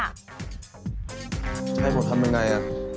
ให้ผมทำยังไง